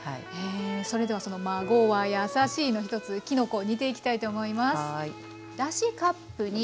それではその「まごわやさしい」の一つきのこを煮ていきたいと思います。